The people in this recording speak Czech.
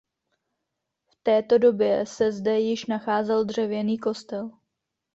V této době se zde již nacházel dřevěný kostel.